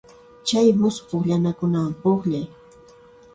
Kay musuq pukllanakunawan pukllay.